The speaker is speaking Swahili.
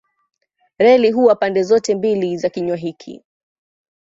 Reli huwa pande zote mbili za kinywa hiki.